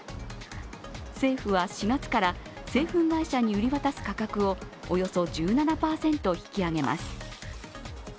政府は４月から製粉会社に売り渡す価格をおよそ１７％引き上げます。